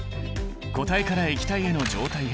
固体から液体への状態変化